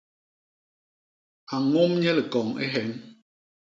A ñôm nye likoñ i hyeñ.